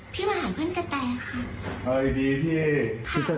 พี่ไม่ได้เอาอะไรไปจริงค่ะ